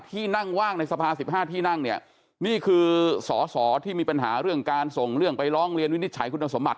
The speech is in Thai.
ที่นั่งว่างในสภา๑๕ที่นั่งเนี่ยนี่คือสอสอที่มีปัญหาเรื่องการส่งเรื่องไปร้องเรียนวินิจฉัยคุณสมบัติ